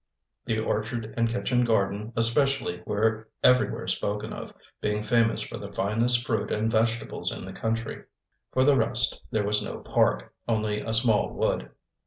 The orchard and kitchen garden especially were everywhere spoken of, being famous for the finest fruit and vegetables in the country. For the rest, there was no park, only a small wood.